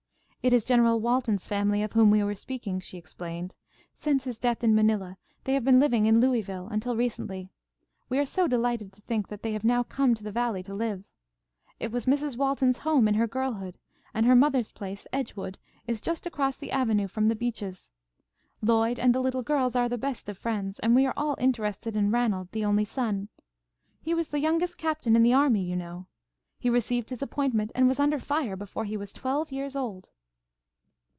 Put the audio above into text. "It is General Walton's family of whom we were speaking," she explained. "Since his death in Manila they have been living in Louisville, until recently. We are so delighted to think that they have now come to the Valley to live. It was Mrs. Walton's home in her girlhood, and her mother's place, Edgewood, is just across the avenue from The Beeches. Lloyd and the little girls are the best of friends, and we are all interested in Ranald, the only son. He was the youngest captain in the army, you know. He received his appointment and was under fire before he was twelve years old."